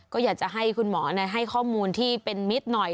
ก็อยากจะให้คุณหมอให้ข้อมูลที่เป็นมิตรหน่อย